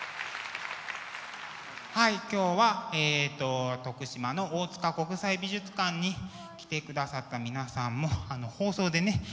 はい今日は徳島の大塚国際美術館に来てくださった皆さんも放送でね